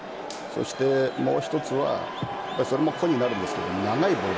もう一つはそれも個になるんですが長いボール。